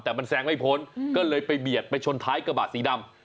แต่มันแซงไม่พ้นก็เลยไปเบียดไปชนท้ายกระบะสีดำ